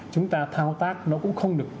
chúng ta thao tác nó cũng không được